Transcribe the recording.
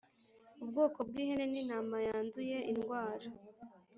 ubwoko bw ihene n intama yanduye indwara